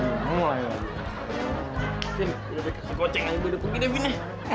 beda punggir deh bina